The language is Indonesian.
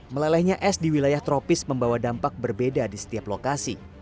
melelehnya es di wilayah tropis membawa dampak berbeda di setiap lokasi